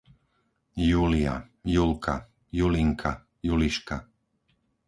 Júlia, Julka, Julinka, Juliška